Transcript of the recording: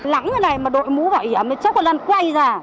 lắng như thế này mà đội mũ bảo hiểm thì chắc có lần quay ra